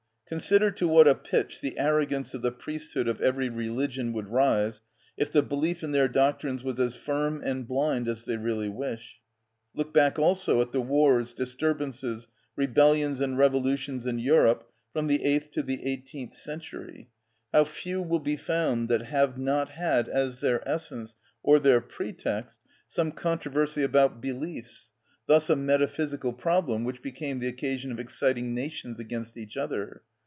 Consider to what a pitch the arrogance of the priesthood of every religion would rise if the belief in their doctrines was as firm and blind as they really wish. Look back also at the wars, disturbances, rebellions, and revolutions in Europe from the eighth to the eighteenth century; how few will be found that have not had as their essence, or their pretext, some controversy about beliefs, thus a metaphysical problem, which became the occasion of exciting nations against each other.